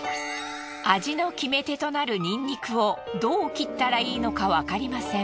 味の決め手となるにんにくをどう切ったらいいのかわかりません。